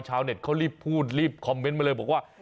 ชาวเน็ตเขารีบพูดรีบคอมเมนต์มาเลยบอกว่า